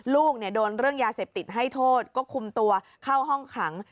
ลูกโดนเรื่องยาเสพติดให้โทษก็คุมตัวเข้าห้องขัง